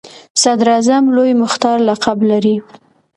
صدراعظم لوی مختار لقب لري.